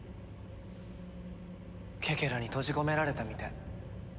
ケケラに閉じ込められたみたい。